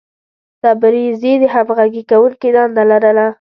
تبریز د همغږي کوونکي دنده لرله.